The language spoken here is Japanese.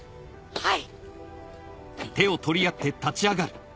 はい！